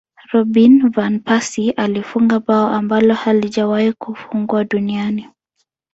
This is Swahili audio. robin van persie alifunga bao ambalo halijawahi Kufungwa duniani